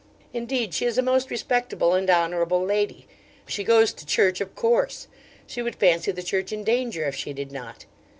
Indeed, she is a most respectable and honourable lady. She goes to church of course: she would fancy the Church in danger if she did not.